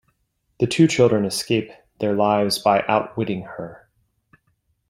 The two children escape with their lives by outwitting her.